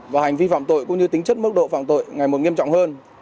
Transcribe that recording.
và hành vi phạm tội cũng như tính chất mức độ phạm tội ngày một nghiêm trọng hơn